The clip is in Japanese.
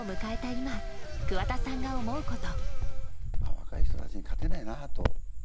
今桑田さんが思うこと。